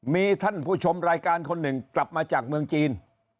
มีท่านผู้ชมรายการคนหนึ่งกลับมาจากเมืองจีน